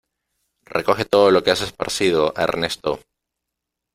¡Recoge todo lo que has esparcido, Ernesto!